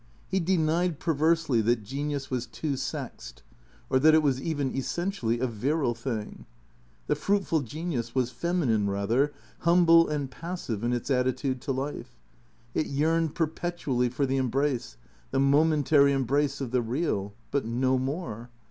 He denied perversely that genius was two sexed, or that it was even essentially a virile thing. The fruitful genius was femi nine, rather, humble and passive in its attitude to life. It yearned perpetually for the embrace, the momentary embrace of the real. But no more.